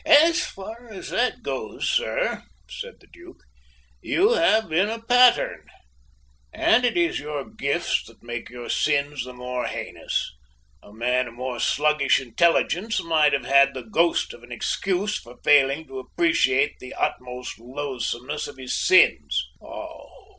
"So far as that goes, sir," said the Duke, "you have been a pattern. And it is your gifts that make your sins the more heinous; a man of a more sluggish intelligence might have had the ghost of an excuse for failing to appreciate the utmost loathsomeness of his sins." "Oh!